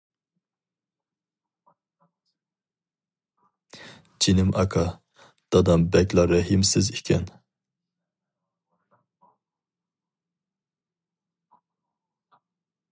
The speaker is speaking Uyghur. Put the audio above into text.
جېنىم ئاكا، دادام بەكلا رەھىمسىز ئىكەن.